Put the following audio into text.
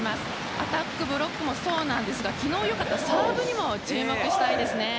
アタック、ブロックもそうですが昨日よかったサーブにも注目したいです。